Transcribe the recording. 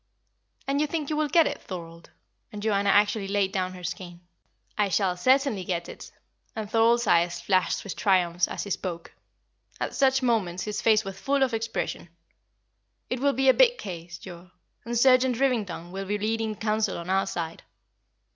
"And you think you will get it, Thorold?" and Joanna actually laid down her skein. "I shall certainly get it;" and Thorold's eyes flashed with triumph as he spoke; at such moments his face was full of expression. "It will be a big case, Joa, and Sergeant Rivington will be leading counsel on our side."